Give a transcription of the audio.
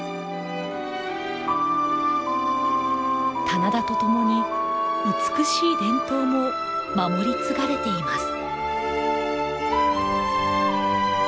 棚田と共に美しい伝統も守り継がれています。